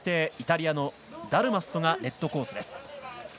イタリアのダルマッソがレッドコースです。